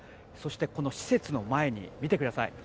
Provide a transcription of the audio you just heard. この施設の前に、見てください。